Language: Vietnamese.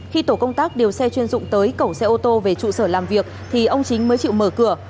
khi tổ công tác điều xe chuyên dụng tới cẩu xe ô tô về trụ sở làm việc thì ông chính mới chịu mở cửa